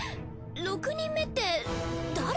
６人目って誰！？